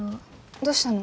どうしたの？